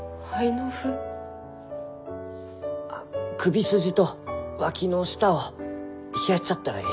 あ首筋とわきの下を冷やしちゃったらえい。